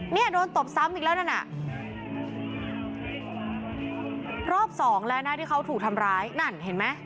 เนี่ยโดนตบซ้ำอีกแล้วนั่นน่ะรอบสองแล้วนะที่เขาถูกทำร้ายนั่นเห็นไหม